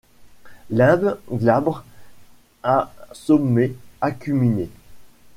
Limbe glabre à sommet acuminé.